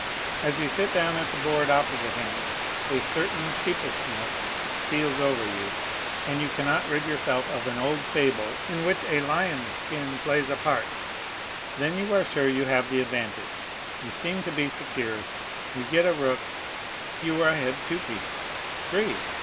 As you sit down at the board opposite him, a certain sheepishness steals over you, and you cannot rid yourself of an old fable in which a lion's skin plays PAUL MOKPHY 291 a part. Then yon are sure you have the advantage ; you seem to be secure, — you get a rook — you are ahead two pieces I three